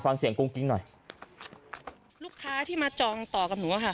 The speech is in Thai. ฟังเสียงกุ้งกิ๊งหน่อยลูกค้าที่มาจองต่อกับหนูอะค่ะ